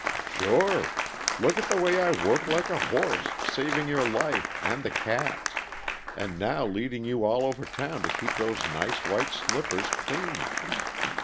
"Sure. Look at the way I worked like a horse, saving your life and the cat's and now leading you all over town to keep those nice white slippers clean!